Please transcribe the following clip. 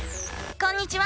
こんにちは！